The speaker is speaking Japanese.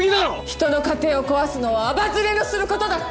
人の家庭を壊すのはアバズレのすることだって！